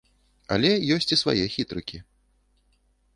Але ёсць і свае хітрыкі.